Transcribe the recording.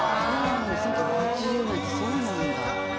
１９８０年ってそうなんだ。